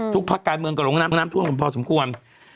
ทุกภาคกาลเมืองก็ลงน้ำท่วมพอสมควร